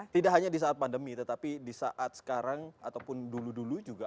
tidak hanya di saat pandemi tetapi di saat sekarang ataupun dulu dulu juga